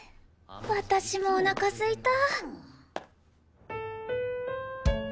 私もおなかすいた！